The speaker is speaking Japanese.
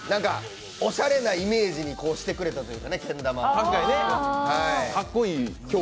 おしゃれなイメージにしてくれたというか、けん玉を。